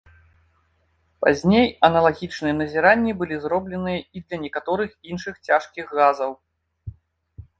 Пазней аналагічныя назіранні былі зробленыя і для некаторых іншых цяжкіх газаў.